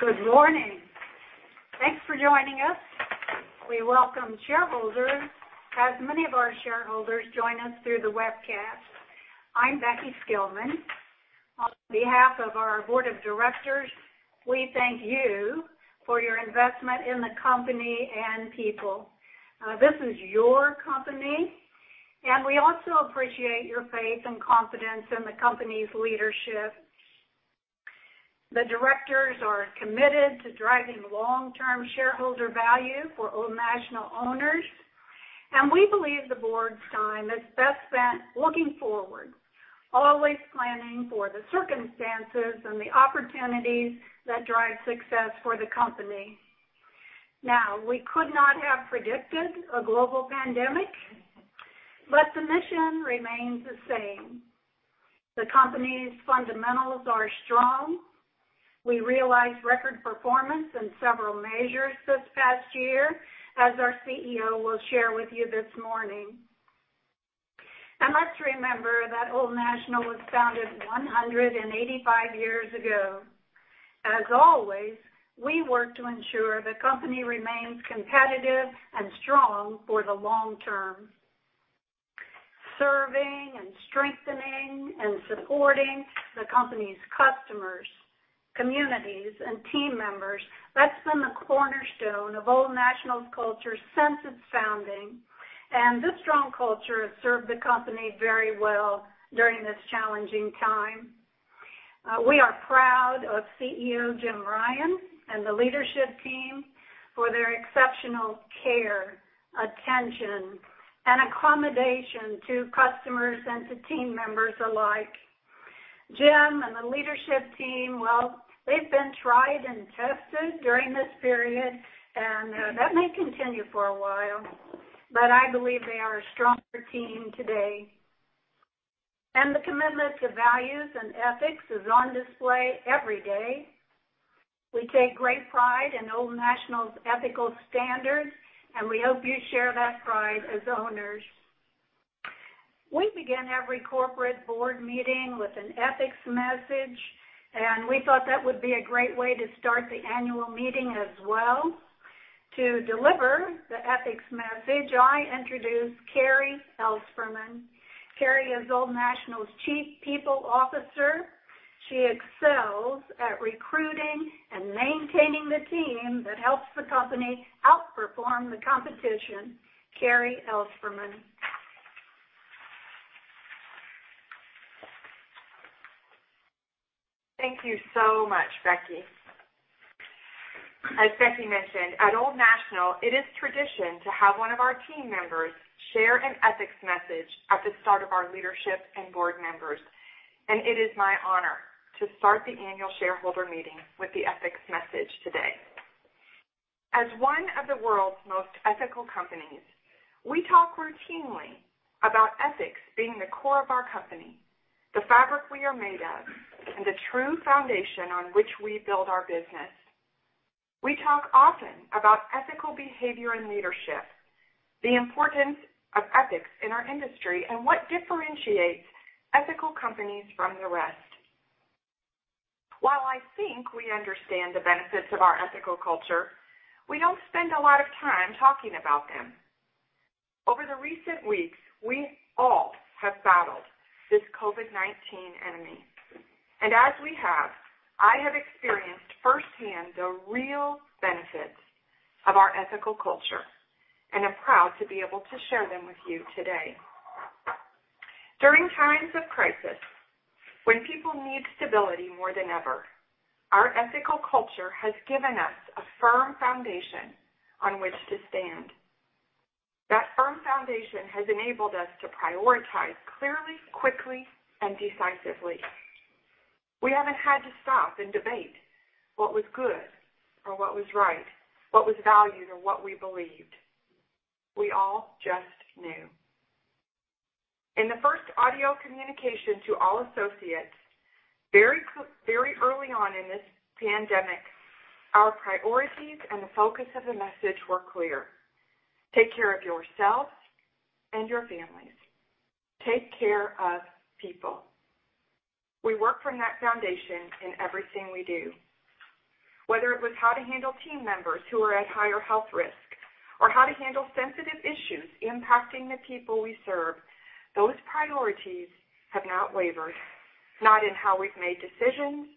Good morning. Thanks for joining us. We welcome shareholders, as many of our shareholders join us through the webcast. I'm Becky Skillman. On behalf of our board of directors, we thank you for your investment in the company and people. This is your company, and we also appreciate your faith and confidence in the company's leadership. The directors are committed to driving long-term shareholder value for Old National owners, and we believe the board's time is best spent looking forward, always planning for the circumstances and the opportunities that drive success for the company. Now, we could not have predicted a global pandemic, but the mission remains the same. The company's fundamentals are strong. We realized record performance in several measures this past year, as our CEO will share with you this morning. Let's remember that Old National was founded 185 years ago. As always, we work to ensure the company remains competitive and strong for the long term. Serving and strengthening and supporting the company's customers, communities, and team members, that's been the cornerstone of Old National's culture since its founding, and this strong culture has served the company very well during this challenging time. We are proud of CEO Jim Ryan and the leadership team for their exceptional care, attention, and accommodation to customers and to team members alike. Jim and the leadership team, well, they've been tried and tested during this period, and that may continue for a while, but I believe they are a stronger team today. The commitment to values and ethics is on display every day. We take great pride in Old National's ethical standards, and we hope you share that pride as owners. We begin every corporate board meeting with an ethics message, and we thought that would be a great way to start the annual meeting as well. To deliver the ethics message, I introduce Carrie Ellspermann. Carrie Ellspermann is Old National's Chief People Officer. She excels at recruiting and maintaining the team that helps the company outperform the competition. Carrie Ellspermann. Thank you so much, Becky. As Becky mentioned, at Old National, it is tradition to have one of our team members share an ethics message at the start of our leadership and board members, and it is my honor to start the annual shareholder meeting with the ethics message today. As one of the world's most ethical companies, we talk routinely about ethics being the core of our company, the fabric we are made of, and the true foundation on which we build our business. We talk often about ethical behavior in leadership, the importance of ethics in our industry, and what differentiates ethical companies from the rest. While I think we understand the benefits of our ethical culture, we don't spend a lot of time talking about them. Over the recent weeks, we all have battled this COVID-19 enemy. As we have, I have experienced firsthand the real benefits of our ethical culture and am proud to be able to share them with you today. During times of crisis, when people need stability more than ever, our ethical culture has given us a firm foundation on which to stand. That firm foundation has enabled us to prioritize clearly, quickly, and decisively. We haven't had to stop and debate what was good or what was right, what was valued or what we believed. We all just knew. In the first audio communication to all associates, very early on in this pandemic, our priorities and the focus of the message were clear. Take care of yourselves and your families. Take care of people. We work from that foundation in everything we do. Whether it was how to handle team members who are at higher health risk or how to handle sensitive issues impacting the people we serve, those priorities have not wavered, not in how we've made decisions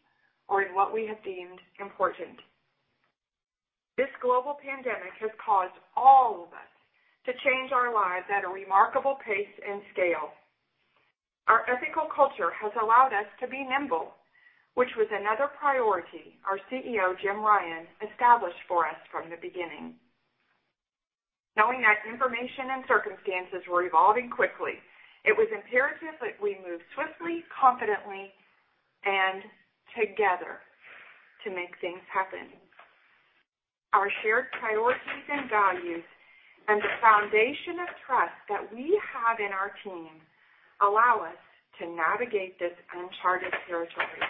or in what we have deemed important. This global pandemic has caused all of us to change our lives at a remarkable pace and scale. Our ethical culture has allowed us to be nimble, which was another priority our CEO, Jim Ryan, established for us from the beginning. Knowing that information and circumstances were evolving quickly, it was imperative that we move swiftly, confidently, and together to make things happen. Our shared priorities and values and the foundation of trust that we have in our team allow us to navigate this uncharted territory.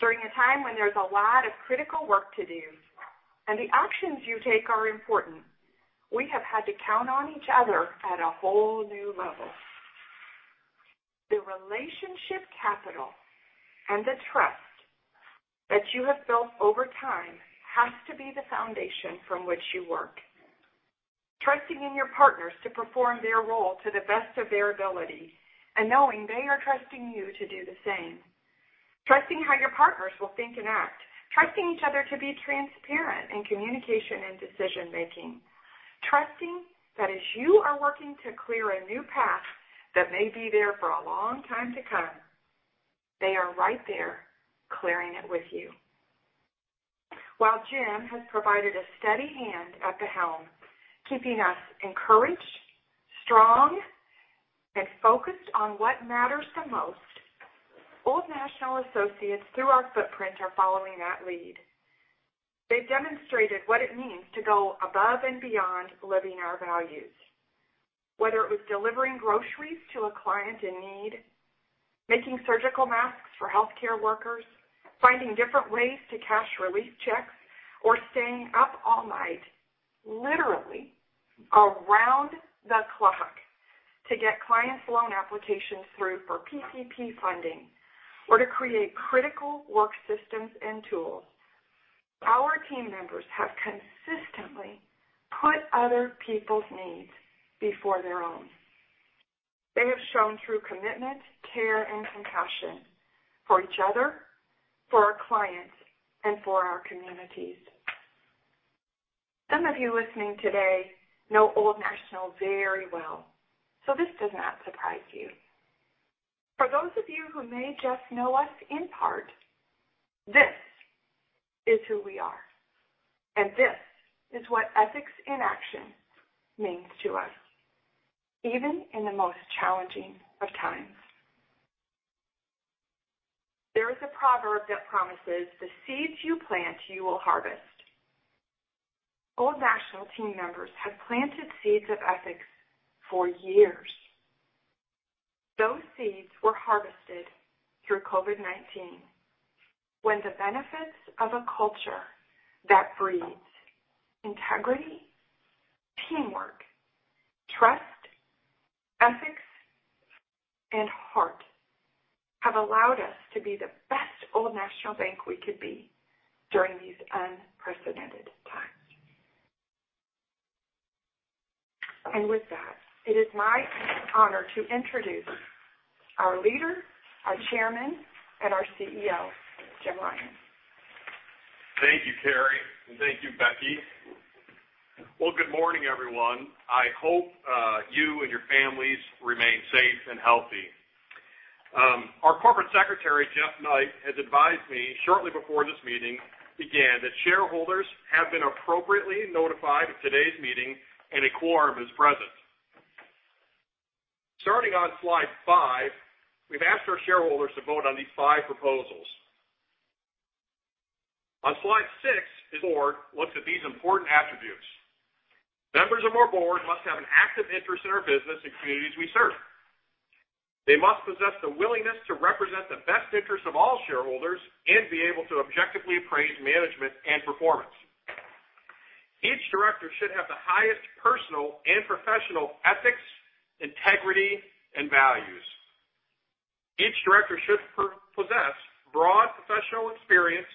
During a time when there's a lot of critical work to do and the actions you take are important, we have had to count on each other at a whole new level. The relationship capital and the trust that you have built over time has to be the foundation from which you work. Trusting in your partners to perform their role to the best of their ability, and knowing they are trusting you to do the same. Trusting how your partners will think and act. Trusting each other to be transparent in communication and decision-making. Trusting that as you are working to clear a new path that may be there for a long time to come, they are right there clearing it with you. While Jim has provided a steady hand at the helm, keeping us encouraged, strong, and focused on what matters the most, Old National associates through our footprint are following that lead. They've demonstrated what it means to go above and beyond living our values, whether it was delivering groceries to a client in need, making surgical masks for healthcare workers, finding different ways to cash relief checks, or staying up all night, literally around the clock, to get clients' loan applications through for PPP funding or to create critical work systems and tools. Our team members have consistently put other people's needs before their own. They have shown true commitment, care, and compassion for each other, for our clients, and for our communities. Some of you listening today know Old National very well, so this does not surprise you. For those of you who may just know us in part, this is who we are, and this is what ethics in action means to us, even in the most challenging of times. There is a proverb that promises the seeds you plant, you will harvest. Old National team members have planted seeds of ethics for years. Those seeds were harvested through COVID-19, when the benefits of a culture that breeds integrity, teamwork, trust, ethics, and heart have allowed us to be the best Old National Bank we could be during these unprecedented times. With that, it is my honor to introduce our leader, our Chairman, and our CEO, Jim Ryan. Thank you, Carrie. Thank you, Becky. Well, good morning, everyone. I hope you and your families remain safe and healthy. Our Corporate Secretary, Jeff Knight, has advised me shortly before this meeting began that shareholders have been appropriately notified of today's meeting and a quorum is present. Starting on slide five, we've asked our shareholders to vote on these five proposals. On slide six, the board looks at these important attributes. Members of our board must have an active interest in our business and communities we serve. They must possess the willingness to represent the best interest of all shareholders and be able to objectively appraise management and performance. Each director should have the highest personal and professional ethics, integrity, and values. Each director should possess broad professional experience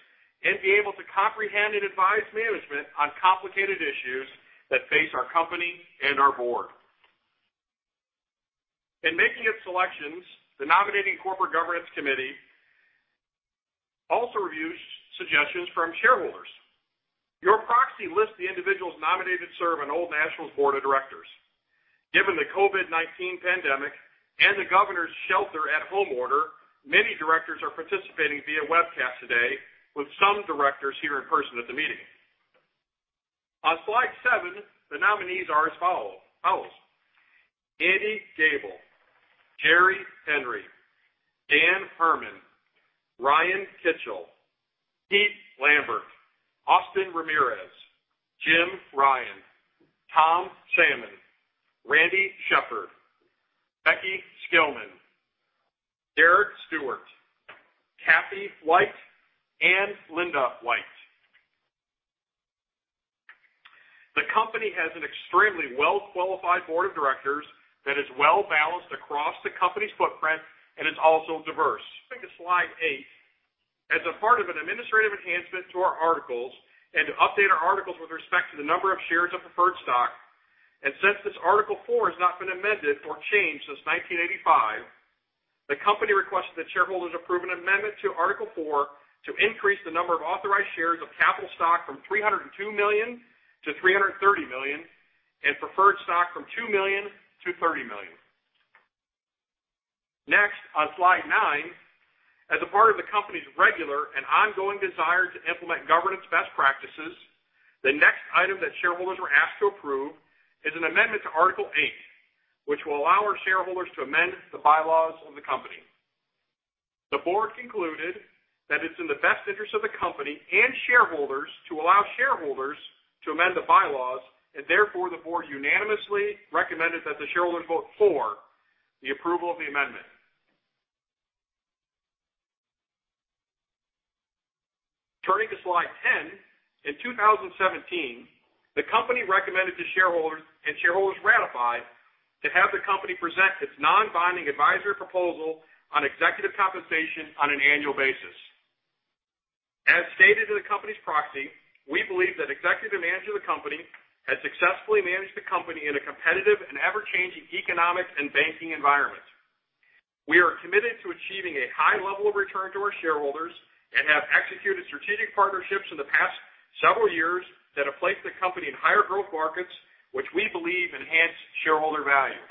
and be able to comprehend and advise management on complicated issues that face our company and our board. In making its selections, the nominating corporate governance committee also reviews suggestions from shareholders. Your proxy lists the individuals nominated to serve on Old National's board of directors. Given the COVID-19 pandemic and the governor's shelter at home order, many directors are participating via webcast today, with some directors here in person at the meeting. On slide seven, the nominees are as follows. Andy Goebel, Jerry Henry, Dan Hermann, Ryan Kitchell, Pete Lambert, Austin Ramirez, Jim Ryan, Tom Salmon, Randy Shepard, Becky Skillman, Derrick Stewart, Kathy White, and Linda White. The company has an extremely well-qualified board of directors that is well-balanced across the company's footprint and is also diverse. Turning to slide eight. As a part of an administrative enhancement to our articles and to update our articles with respect to the number of shares of preferred stock, and since this Article 4 has not been amended or changed since 1985, the company requests that shareholders approve an amendment to Article 4 to increase the number of authorized shares of capital stock from 302 million to 330 million and preferred stock from 2 million to 30 million. Next, on slide nine, as a part of the company's regular and ongoing desire to implement governance best practices, the next item that shareholders are asked to approve is an amendment to Article 8, which will allow our shareholders to amend the bylaws of the company. The board concluded that it's in the best interest of the company and shareholders to allow shareholders to amend the By-Laws, and therefore, the board unanimously recommended that the shareholders vote for the approval of the amendment. Turning to slide 10, in 2017, the company recommended to shareholders, and shareholders ratified, to have the company present its non-binding advisory proposal on executive compensation on an annual basis. As stated in the company's proxy, we believe that executive management of the company has successfully managed the company in a competitive and ever-changing economic and banking environment. We are committed to achieving a high level of return to our shareholders and have executed strategic partnerships in the past several years that have placed the company in higher growth markets, which we believe enhance shareholder value.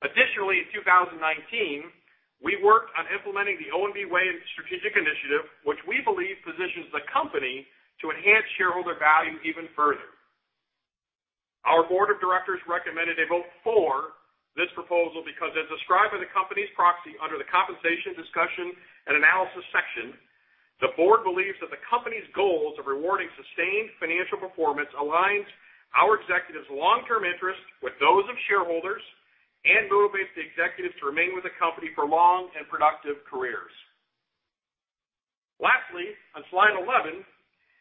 Additionally, in 2019, we worked on implementing the ONB Way strategic initiative, which we believe positions the company to enhance shareholder value even further. Our Board of Directors recommended a vote for this proposal because as described by the company's proxy under the compensation discussion and analysis section, the Board believes that the company's goals of rewarding sustained financial performance aligns our executives' long-term interest with those of shareholders and motivates the executives to remain with the company for long and productive careers. Lastly, on slide 11,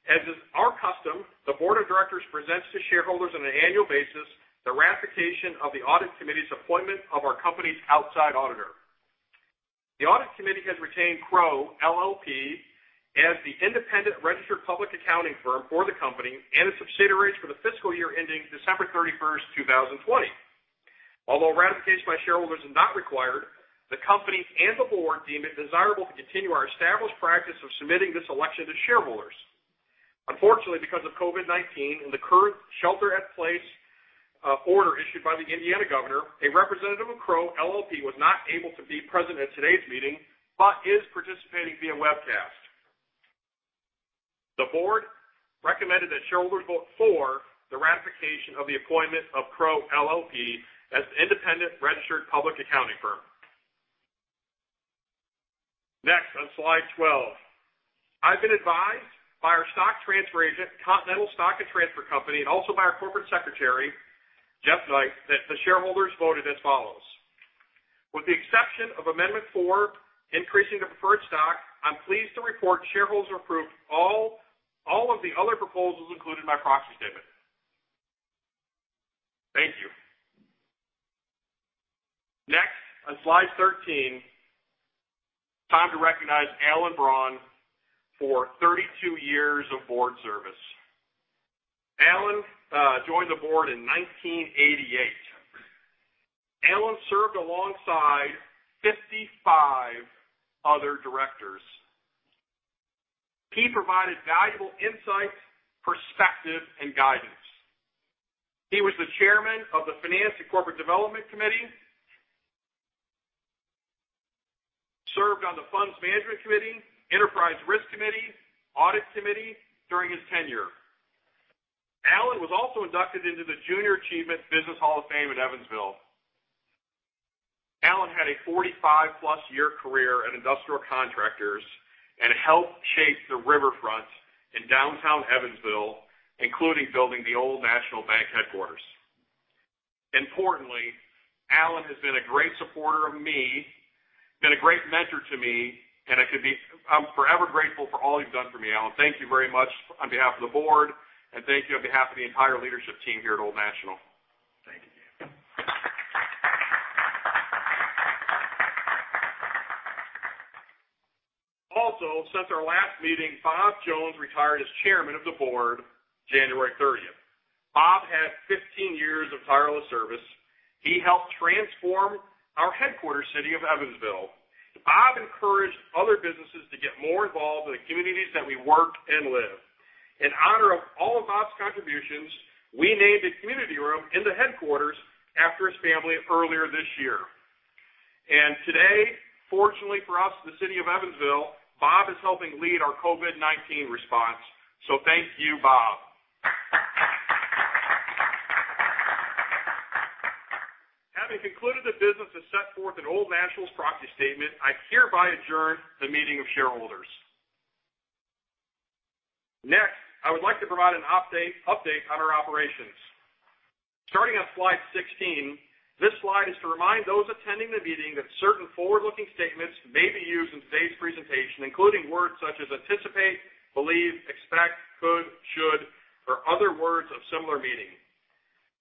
as is our custom, the Board of Directors presents to shareholders on an annual basis the ratification of the Audit Committee's appointment of our company's outside auditor. The Audit Committee has retained Crowe LLP as the independent registered public accounting firm for the company and its subsidiaries for the fiscal year ending December 31st, 2020. Although ratification by shareholders is not required, the company and the board deem it desirable to continue our established practice of submitting this election to shareholders. Unfortunately, because of COVID-19 and the current shelter-in-place order issued by the Indiana governor, a representative of Crowe LLP was not able to be present at today's meeting, but is participating via webcast. The board recommended that shareholders vote for the ratification of the appointment of Crowe LLP as the independent registered public accounting firm. Next, on slide 12. I've been advised by our stock transfer agent, Continental Stock Transfer & Trust Company, and also by our corporate secretary, Jeff Knight, that the shareholders voted as follows. With the exception of amendment four, increasing the preferred stock, I'm pleased to report shareholders approved all of the other proposals included in my proxy statement. Thank you. Next, on slide 13, time to recognize Alan W. Braun for 32 years of board service. Alan W. Braun joined the board in 1988. Alan W. Braun served alongside 55 other directors. He provided valuable insights, perspective, and guidance. He was the chairman of the Finance and Corporate Development Committee, served on the Funds Management Committee, Enterprise Risk Committee, Audit Committee during his tenure. Alan W. Braun was also inducted into the Junior Achievement Evansville Regional Business Hall of Fame. Alan W. Braun had a 45+-year career at Industrial Contractors and helped shape the riverfront in downtown Evansville, including building the Old National Bank headquarters. Importantly, Alan W. Braun has been a great supporter of me, been a great mentor to me, and I'm forever grateful for all you've done for me, Alan W. Braun. Thank you very much on behalf of the board, and thank you on behalf of the entire leadership team here at Old National. Thank you. Also, since our last meeting, Bob Jones retired as Chairman of the Board January 30th. Bob had 15 years of tireless service. He helped transform our headquarters city of Evansville. Bob encouraged other businesses to get more involved in the communities that we work and live. In honor of all of Bob's contributions, we named a community room in the headquarters after his family earlier this year. Today, fortunately for us, the city of Evansville, Bob is helping lead our COVID-19 response. Thank you, Bob. Having concluded the business as set forth in Old National's proxy statement, I hereby adjourn the meeting of shareholders. Next, I would like to provide an update on our operations. Starting on slide 16, this slide is to remind those attending the meeting that certain forward-looking statements may be used in today's presentation, including words such as "anticipate," "believe," "expect," "could," "should," or other words of similar meaning.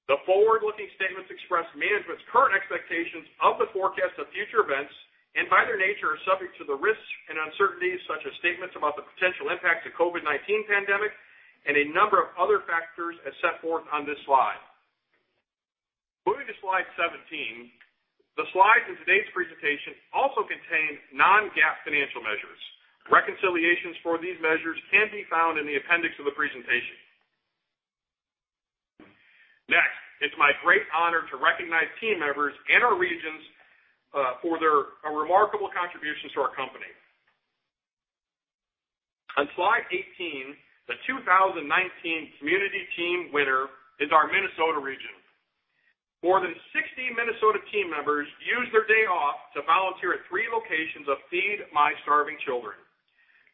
The forward-looking statements express management's current expectations of the forecast of future events, and by their nature are subject to the risks and uncertainties, such as statements about the potential impact of COVID-19 pandemic and a number of other factors as set forth on this slide. Moving to slide 17, the slides in today's presentation also contain non-GAAP financial measures. Reconciliations for these measures can be found in the appendix of the presentation. Next, it's my great honor to recognize team members in our regions for their remarkable contributions to our company. On slide 18, the 2019 Community Team winner is our Minnesota region. More than 60 Minnesota team members used their day off to volunteer at three locations of Feed My Starving Children.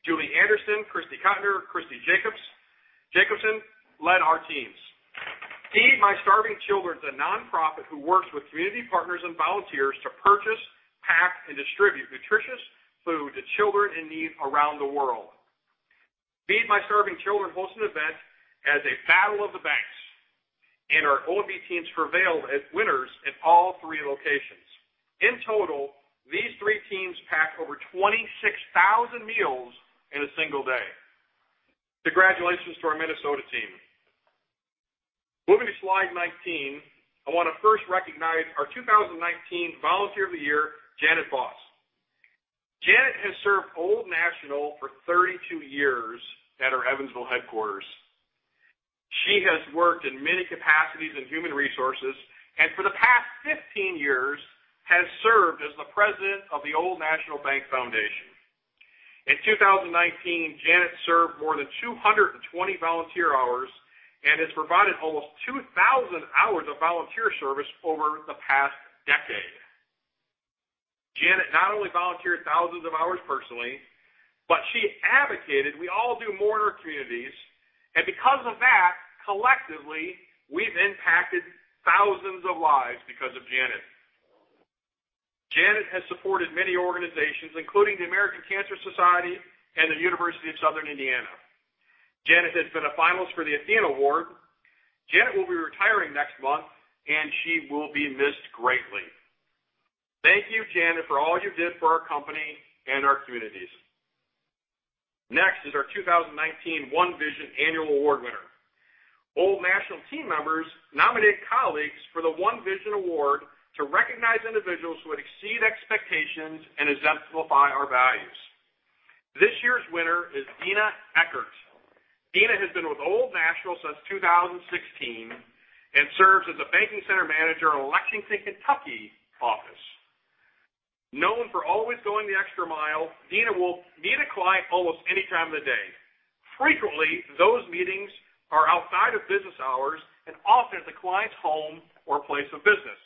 Julie Anderson, Christy Cotner, Kristi Jacobson led our teams. Feed My Starving Children is a nonprofit who works with community partners and volunteers to purchase, pack, and distribute nutritious food to children in need around the world. Feed My Starving Children hosts an event as a battle of the banks, and our ONB teams prevailed as winners in all three locations. In total, these three teams packed over 26,000 meals in a single day. Congratulations to our Minnesota team. Moving to Slide 19, I want to first recognize our 2019 Volunteer of the Year, Janet Baas. Janet has served Old National for 32 years at our Evansville headquarters. She has worked in many capacities in human resources, and for the past 15 years has served as the president of the Old National Bank Foundation. In 2019, Janet served more than 220 volunteer hours and has provided almost 2,000 hours of volunteer service over the past decade. Janet not only volunteered thousands of hours personally, but she advocated we all do more in our communities. Because of that, collectively, we've impacted thousands of lives because of Janet. Janet has supported many organizations, including the American Cancer Society and the University of Southern Indiana. Janet has been a finalist for the ATHENA Award. Janet will be retiring next month, and she will be missed greatly. Thank you, Janet, for all you did for our company and our communities. Next is our 2019 ONe Vision Award winner. Old National team members nominate colleagues for the ONe Vision Award to recognize individuals who would exceed expectations and exemplify our values. This year's winner is Deana Eckert. Deana has been with Old National since 2016 and serves as the banking center manager in our Lexington, Kentucky office. Known for always going the extra mile, Deana will meet a client almost any time of the day. Frequently, those meetings are outside of business hours and often at the client's home or place of business.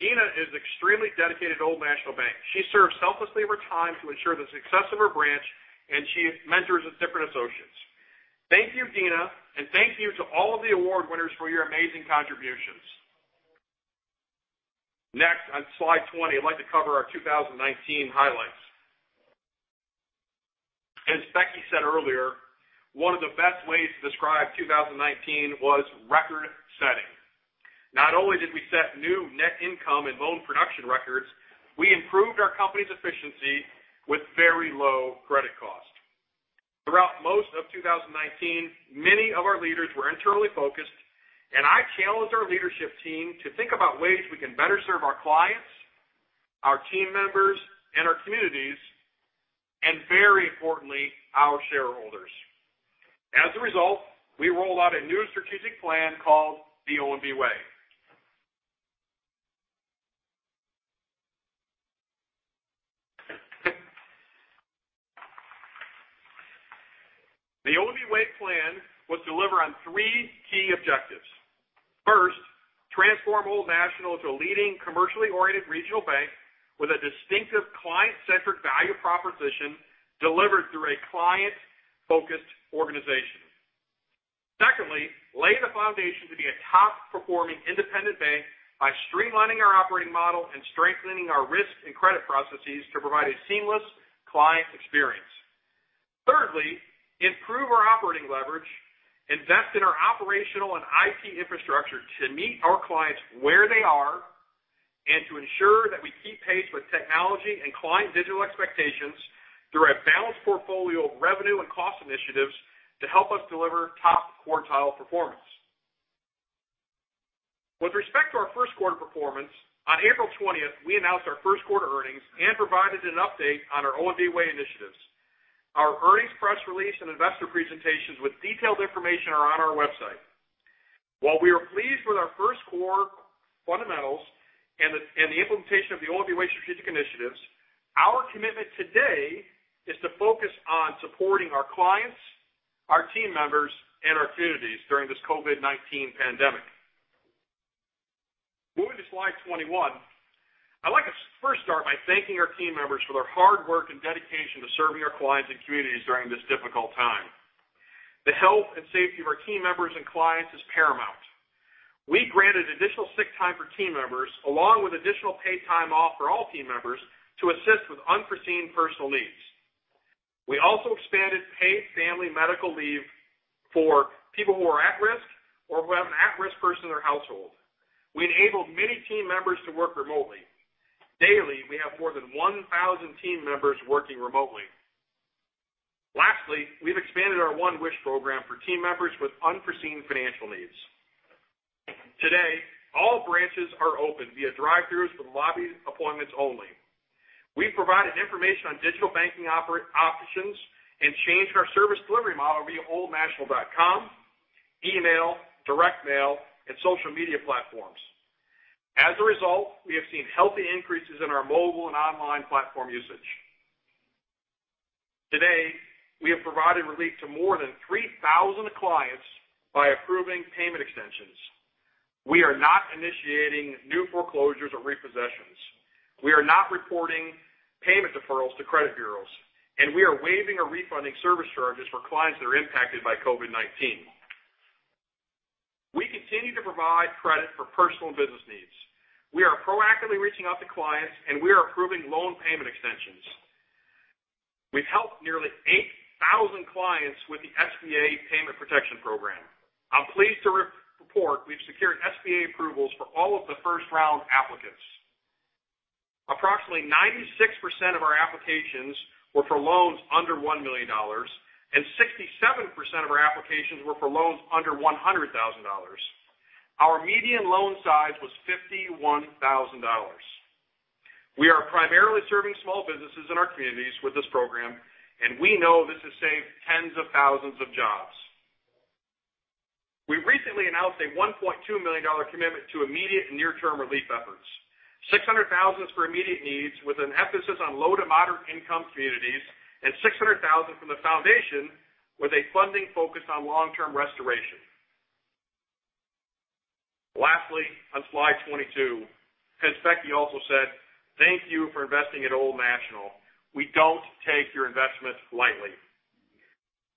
Deana is extremely dedicated to Old National Bank. She serves selflessly of her time to ensure the success of her branch, and she mentors its different associates. Thank you, Deana, and thank you to all of the award winners for your amazing contributions. Next, on slide 20, I'd like to cover our 2019 highlights. As Becky said earlier, one of the best ways to describe 2019 was record-setting. Not only did we set new net income and loan production records, we improved our company's efficiency with very low credit cost. Throughout most of 2019, many of our leaders were internally focused, and I challenged our leadership team to think about ways we can better serve our clients, our team members, and our communities, and very importantly, our shareholders. As a result, we rolled out a new strategic plan called The ONB Way. The ONB Way plan was delivered on three key objectives. First, transform Old National into a leading commercially oriented regional bank with a distinctive client-centric value proposition delivered through a client-focused organization. Secondly, lay the foundation to be a top-performing independent bank by streamlining our operating model and strengthening our risk and credit processes to provide a seamless client experience. Thirdly, improve our operating leverage, invest in our operational and IT infrastructure to meet our clients where they are, and to ensure that we keep pace with technology and client digital expectations through a balanced portfolio of revenue and cost initiatives to help us deliver top-quartile performance. With respect to our first quarter performance, on April 20th, we announced our first quarter earnings and provided an update on our ONB Way initiatives. Our earnings press release and investor presentations with detailed information are on our website. While we are pleased with our first quarter fundamentals and the implementation of the ONB Way strategic initiatives, our commitment today is to focus on supporting our clients, our team members, and our communities during this COVID-19 pandemic. Moving to slide 21. I'd like to first start by thanking our team members for their hard work and dedication to serving our clients and communities during this difficult time. The health and safety of our team members and clients is paramount. We granted additional sick time for team members, along with additional paid time off for all team members to assist with unforeseen personal leaves. We also expanded paid family medical leave for people who are at risk or who have an at-risk person in their household. We enabled many team members to work remotely. Daily, we have more than 1,000 team members working remotely. Lastly, we've expanded our ONe Wish Program for team members with unforeseen financial needs. Today, all branches are open via drive-throughs with lobby appointments only. We've provided information on digital banking options and changed our service delivery model via oldnational.com, email, direct mail, and social media platforms. As a result, we have seen healthy increases in our mobile and online platform usage. Today, we have provided relief to more than 3,000 clients by approving payment extensions. We are not initiating new foreclosures or repossessions. We are not reporting payment deferrals to credit bureaus, and we are waiving or refunding service charges for clients that are impacted by COVID-19. We continue to provide credit for personal and business needs. We are proactively reaching out to clients and we are approving loan payment extensions. We've helped nearly 8,000 clients with the SBA Paycheck Protection Program. I'm pleased to report we've secured SBA approvals for all of the first-round applicants. Approximately 96% of our applications were for loans under $1 million, and 67% of our applications were for loans under $100,000. Our median loan size was $51,000. We are primarily serving small businesses in our communities with this program, and we know this has saved tens of thousands of jobs. We recently announced a $1.2 million commitment to immediate and near-term relief efforts, $600,000 for immediate needs with an emphasis on low to moderate income communities, and $600,000 from the foundation with a funding focus on long-term restoration. Lastly, on slide 22, Becky Skillman also said, "Thank you for investing at Old National. We don't take your investment lightly."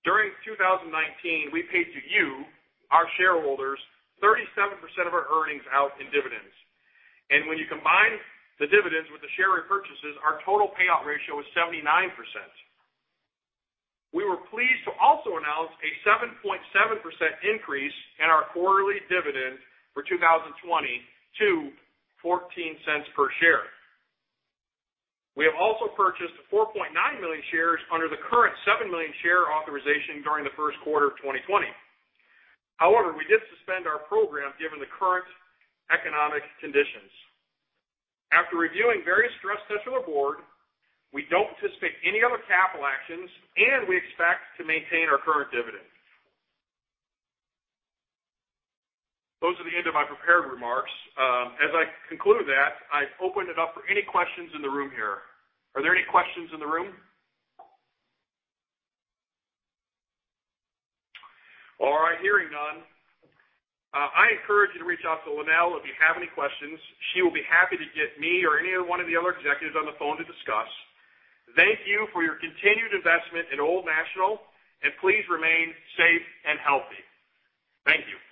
During 2019, we paid to you, our shareholders, 37% of our earnings out in dividends. When you combine the dividends with the share repurchases, our total payout ratio is 79%. We were pleased to also announce a 7.7% increase in our quarterly dividend for 2020 to $0.14 per share. We have also purchased 4.9 million shares under the current 7 million share authorization during the first quarter of 2020. However, we did suspend our program given the current economic conditions. After reviewing various stress tests with our board, we don't anticipate any other capital actions, and we expect to maintain our current dividend. Those are the end of my prepared remarks. As I conclude that, I open it up for any questions in the room here. Are there any questions in the room? All right, hearing none, I encourage you to reach out to Lynell if you have any questions. She will be happy to get me or any one of the other executives on the phone to discuss. Thank you for your continued investment in Old National, and please remain safe and healthy. Thank you.